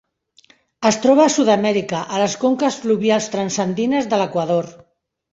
Es troba a Sud-amèrica, a les conques fluvials transandines de l'Equador.